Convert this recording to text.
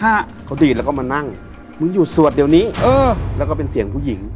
ค่ะเขาดีดแล้วก็มานั่งมึงอยู่สวดเดี๋ยวนี้เออแล้วก็เป็นเสียงผู้หญิง